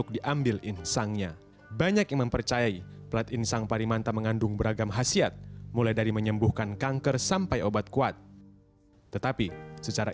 dapat membantu untuk menyembuhkan penyakit kanker